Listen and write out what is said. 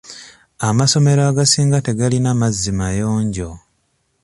Amasomero agasinga tegalina mazzi mayonjo.